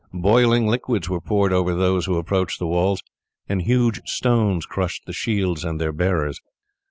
Boiling liquids were poured over those who approached the walls, and huge stones crushed the shields and their bearers.